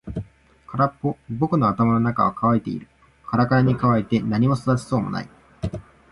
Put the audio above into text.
空っぽ。僕の頭の中は乾いている。からからに乾いて何も育ちそうもない。